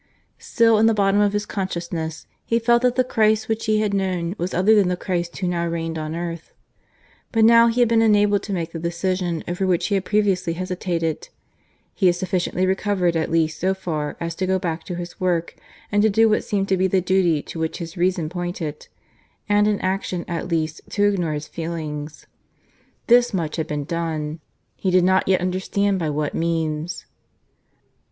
Still in the bottom of his consciousness he felt that the Christ which he had known was other than the Christ who now reigned on earth. But now he had been enabled to make the decision over which he had previously hesitated; he had sufficiently recovered at least so far as to go back to his work and to do what seemed to be the duty to which his reason pointed, and in action at least to ignore his feelings. This much had been done. He did not yet understand by what means.